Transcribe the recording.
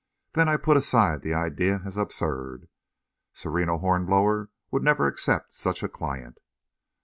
Then I put aside the idea as absurd. Sereno Hornblower would never accept such a client.